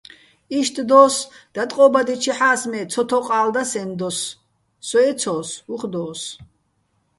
იშტ დო́ს, დატყობადიჩეჰ̦ას, მე ცოთოყალ და სეჼ დოს, სო ეცო́ს, უ̂ხ დო́ს.